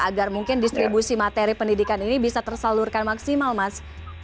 agar mungkin distribusi materi pendidikan ini bisa tersalurkan maksimal mas